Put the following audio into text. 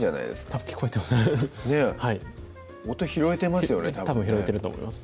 たぶん聞こえてますねぇ音拾えてますよねたぶんたぶん拾えてると思います